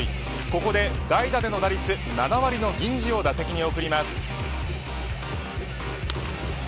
ここで代打での打率７割の銀次を打席に送ります。